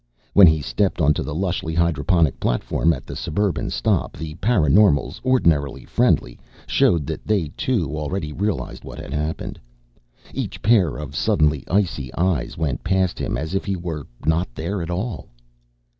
When he stepped onto the lushly hydroponic platform at the suburban stop the paraNormals, ordinarily friendly, showed that they, too, already realized what had happened. Each pair of suddenly icy eyes went past him as if he were not there at all.